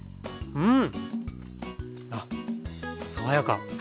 うん！